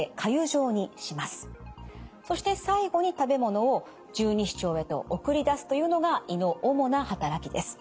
そして最後に食べ物を十二指腸へと送り出すというのが胃の主なはたらきです。